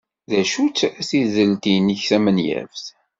D acu-tt tidelt-nnek tamenyaft?